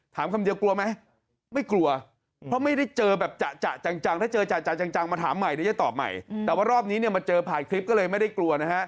ตอบใหม่แต่ว่ารอบนี้มาเจอผ่านคลิปก็เลยไม่ได้กลัวนะฮะ